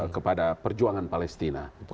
kepada perjuangan palestina